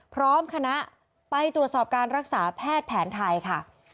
พร้อมคณะไปตรวจสอบการรักษาแพทย์แผนไทยค่ะ